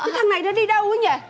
thằng này nó đi đâu thế nhỉ